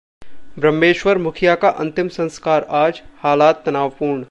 ब्रह्मेश्वर मुखिया का अंतिम संस्कार आज, हालात तनावपूर्ण